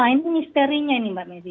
ini misterinya ini mbak medi